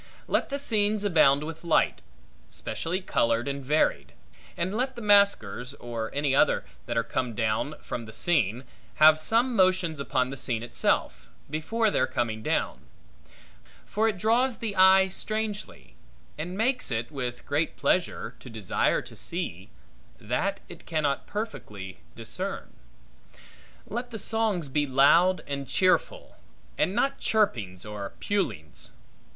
Let the scenes abound with light, specially colored and varied; and let the masquers, or any other, that are to come down from the scene, have some motions upon the scene itself, before their coming down; for it draws the eye strangely, and makes it, with great pleasure, to desire to see, that it cannot perfectly discern. Let the songs be loud and cheerful, and not chirpings or pulings.